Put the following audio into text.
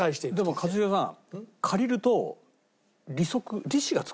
でも一茂さん。